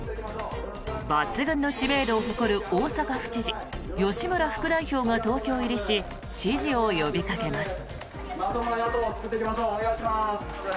抜群の知名度を誇る大阪府知事、吉村副代表が東京入りし支持を呼びかけます。